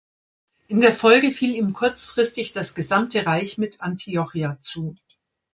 In der Folge fiel ihm kurzfristig das gesamte Reich mit Antiochia zu.